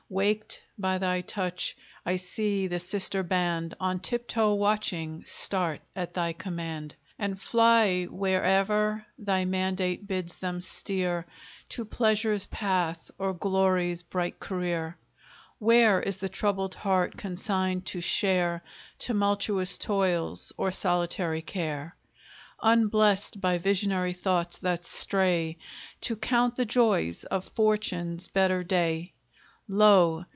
Waked by thy touch, I see the sister band, On tiptoe watching, start at thy command, And fly where'er thy mandate bids them steer, To Pleasure's path or Glory's bright career.... Where is the troubled heart consigned to share Tumultuous toils or solitary care, Unblest by visionary thoughts that stray To count the joys of Fortune's better day? Lo!